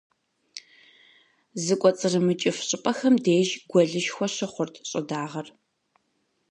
Зыкӏуэцӏрымыкӏыф щӏыпӏэхэм деж гуэлышхуэ щыхъурт щӏыдагъэр.